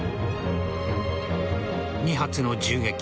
２発の銃撃